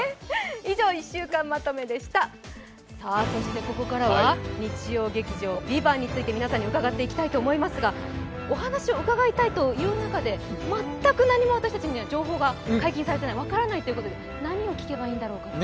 そしてここからは日曜劇場「ＶＩＶＡＮＴ」について皆さんに伺っていきたいと思いますがお話を伺いたいという中で全く私たちには情報が解禁されていない、分からないということで、何を聞けばいいんだろうか。